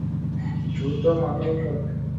দ্রুত মাতাল করবে!